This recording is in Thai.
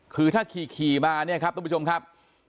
คือถ้าขี่มาเนี่ยครับทุกผู้ชมครับ